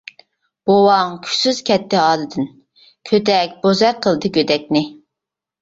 بوۋاڭ كۈچسىز كەتتى ھالىدىن، كۆتەك بوزەك قىلدى گۆدەكنى.